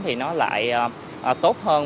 thì nó lại tốt hơn